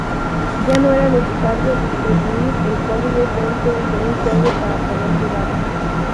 Ya no era necesario distribuir el código fuente de un juego para poder jugarlo.